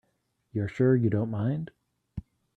You're sure you don't mind?